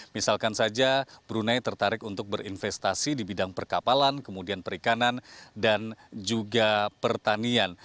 misalkan saja brunei tertarik untuk berinvestasi di bidang perkapalan kemudian perikanan dan juga pertanian